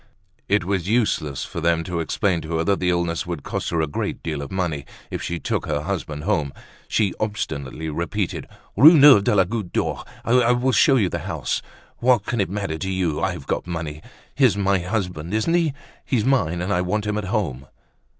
It was useless for them to explain to her that the illness would cost her a great deal of money, if she took her husband home. She obstinately repeated: "Rue Neuve de la Goutte d'Or; I will show you the house. What can it matter to you? I've got money. He's my husband, isn't he? He's mine, and I want him at home."